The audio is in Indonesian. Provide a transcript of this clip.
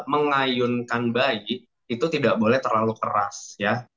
mengayunkan bayi itu tidak boleh terlalu keras ya